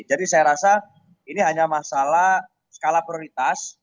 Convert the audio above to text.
jadi saya rasa ini hanya masalah skala prioritas